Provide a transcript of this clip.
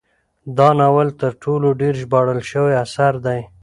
دا ناول تر ټولو ډیر ژباړل شوی اثر دی.